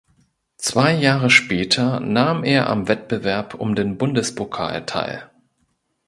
Zwei Jahre später nahm er am Wettbewerb um den Bundespokal teil.